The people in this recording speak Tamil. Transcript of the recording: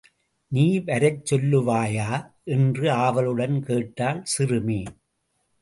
நீ வரச் சொல்லுவாயா? என்று ஆவலுடன் கேட்டாள் சிறுமி.